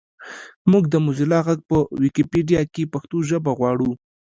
مونږ د موزیلا غږ په ویکیپېډیا کې پښتو ژبه غواړو